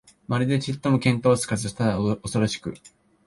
まるでちっとも見当つかず、ただおそろしく、